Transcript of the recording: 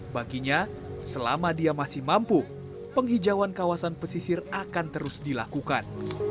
baginya selama dia masih mampu penghijauan kawasan pesisir akan terus dilakukan